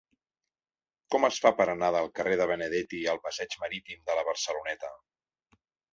Com es fa per anar del carrer de Benedetti al passeig Marítim de la Barceloneta?